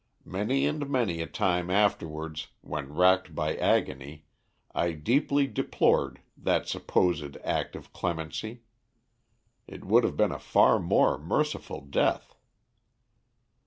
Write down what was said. Many and many a time afterwards, when racked by agony, I deeply deplored that supposed act of clemency. It would have been a far more merciful death.